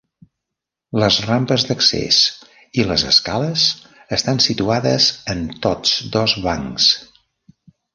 Les rampes d'accés i les escales estan situades en tots dos bancs.